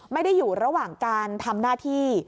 ไม่ได้อยู่ระหว่างการทำหน้าที่